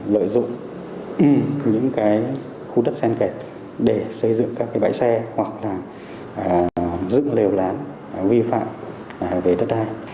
lợi dụng những khu đất xen kẹt để xây dựng các bãi xe hoặc là dựng lều lán vi phạm về đất đai